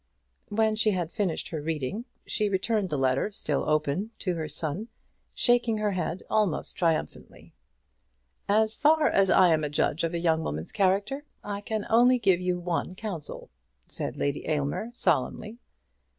When she had finished her reading, she returned the letter, still open, to her son, shaking her head almost triumphantly. "As far as I am a judge of a young woman's character, I can only give you one counsel," said Lady Aylmer solemnly.